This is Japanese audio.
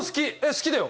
好きだよ。